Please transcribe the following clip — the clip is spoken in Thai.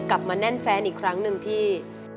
มาแน่นแฟนอีกครั้งหนึ่งพี่